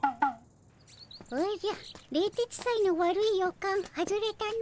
おじゃ冷徹斎の悪い予感外れたの。